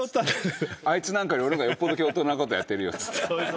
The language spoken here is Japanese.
「あいつなんかより俺の方が教頭なことやってるよ」っつって。